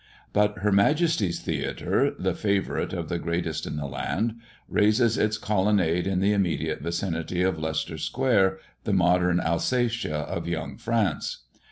But Her Majesty's Theatre, the favourite of the greatest in the land, raises its colonnade in the immediate vicinity of Leicester square, the modern Alsatia of young France!